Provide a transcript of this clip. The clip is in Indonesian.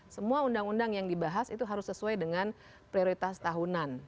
semua undang undang yang dibahas itu harus sesuai dengan prioritas tahunan